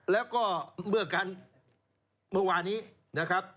แล้วก็เมื่อกันเมื่อวานี้นะครับ